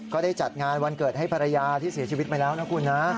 ก็ได้จัดงานวันเกิดให้ภรรยาที่เสียชีวิตไปแล้วนะคุณนะ